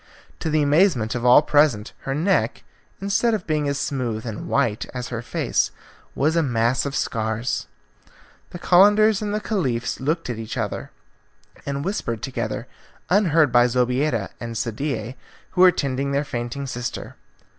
To the amazement of all present, her neck, instead of being as smooth and white as her face, was a mass of scars. The Calenders and the Caliph looked at each other, and whispered together, unheard by Zobeida and Sadie, who were tending their fainting sister.